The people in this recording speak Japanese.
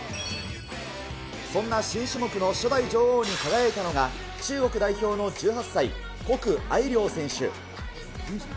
そんな新種目の初代女王に輝いたのが、中国代表の１８歳、谷愛凌選手。